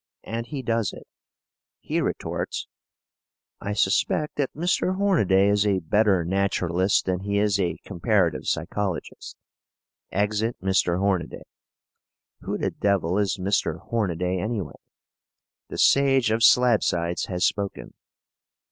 And he does it. He retorts: "I suspect that Mr. Hornaday is a better naturalist than he is a comparative psychologist." Exit Mr. Hornaday. Who the devil is Mr. Hornaday, anyway? The sage of Slabsides has spoken.